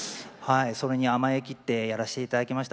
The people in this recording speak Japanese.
いそれに甘え切ってやらしていただきました。